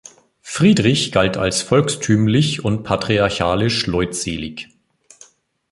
Friedrich galt als volkstümlich und patriarchalisch leutselig.